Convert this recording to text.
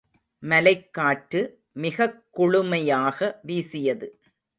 மலைக்காற்று மிகக் குளுமையாக வீசியது.